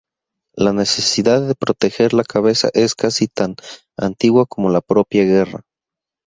La necesidad de proteger la cabeza es casi tan antigua como la propia guerra.